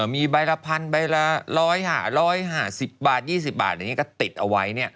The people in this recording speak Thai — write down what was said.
มีใบละพันใบละ๑๐๐ห่า๑๕๐บาท๒๐บาทอันนี้ก็ติดเอาไว้